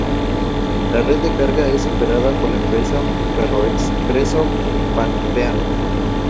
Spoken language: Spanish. La red de carga es operada por la empresa Ferroexpreso Pampeano.